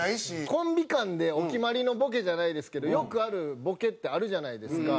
コンビ間でお決まりのボケじゃないですけどよくあるボケってあるじゃないですか。